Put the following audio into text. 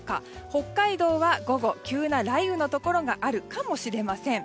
北海道は午後、急な雷雨のところがあるかもしれません。